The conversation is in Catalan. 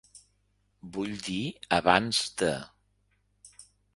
Vull dir abans de.